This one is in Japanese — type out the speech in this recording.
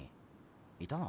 いたの？